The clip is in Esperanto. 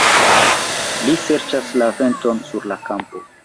Li serĉas la venton sur la kampo.